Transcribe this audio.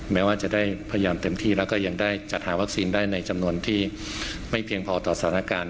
แม้ว่าจะได้พยายามเต็มที่แล้วก็ยังได้จัดหาวัคซีนได้ในจำนวนที่ไม่เพียงพอต่อสถานการณ์